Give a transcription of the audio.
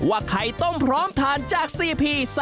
ไข่ต้มพร้อมทานจาก๔พี